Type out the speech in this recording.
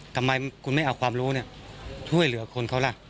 ทำไมคุณไม่เอาความรู้ช่วยเหลือคนเขาล่ะ